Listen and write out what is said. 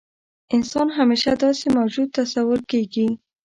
انسان همیشه داسې موجود تصور کېږي.